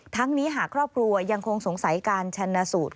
ทั้งนี้หากครอบครัวยังคงสงสัยการชนะสูตร